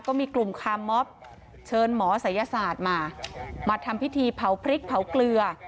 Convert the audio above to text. ก็มีกลุ่มคาร์มอบเชิญหมอศัยศาสตร์มามาทำพิธีเผาพริกเผาเกลือ